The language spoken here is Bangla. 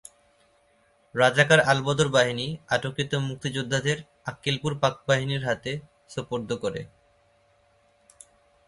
রাজাকার আলবদর বাহিনী আটককৃত মুক্তিযোদ্ধাদের আক্কেলপুর পাকবাহিনীর হাতে সোপর্দ করে।